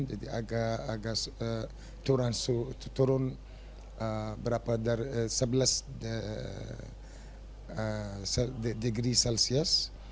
jadi agak turun sebelas degree celsius